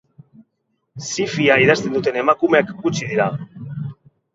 Zi-fia idazten duten emakumeak gutxi dira.